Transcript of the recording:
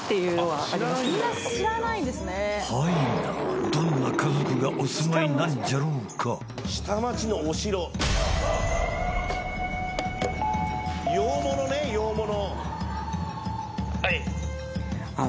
はいなどんな家族がお住まいなんじゃろうか洋物ね洋物。